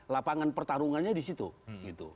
lapangan pertarungannya di situ gitu